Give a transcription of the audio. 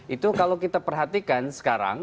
itu kalau kita perhatikan sekarang